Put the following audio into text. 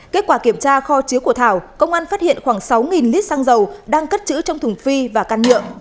kết quả kiểm tra kho chứa của thảo công an phát hiện khoảng sáu lít xăng dầu đang cất chữ trong thùng phi và can nhựa